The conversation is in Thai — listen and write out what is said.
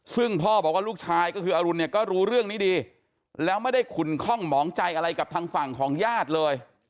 ซึ่งพ่อบอกว่าลูกชายก็คืออรุณเนี่ยก็รู้เรื่องนี้ดีแล้วไม่ได้ขุนคล่องหมองใจอะไรกับทางฝั่งของญาติเลย